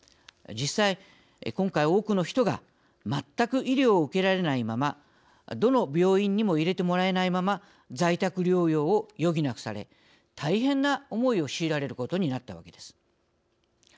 実際、今回多くの人が全く医療を受けられないままどの病院にも入れてもらえないまま在宅療養を余儀なくされ大変な思いを強いられることになったわけです。